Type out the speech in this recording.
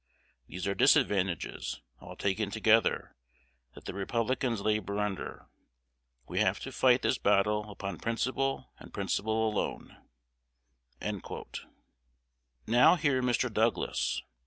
These are disadvantages, all taken together, that the Republicans labor under. We have to fight this battle upon principle, and principle alone." Now hear Mr. Douglas.